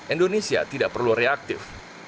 indonesia tidak perlu reaktif